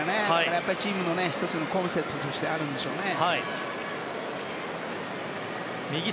やっぱりチームのコンセプトとしてあるんでしょうね。